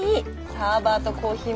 サーバーとコーヒーメーカー